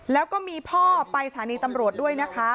แล้วก็มีพ่อไปสถานีตำรวจด้วยนะคะ